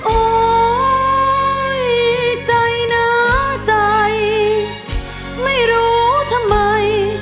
โอ๊ยใจหนาใจไม่รู้ทำไม